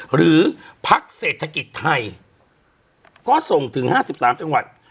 หรือพักเศรษฐกิจไทยก็ส่งถึงห้าสิบสามจังหวัด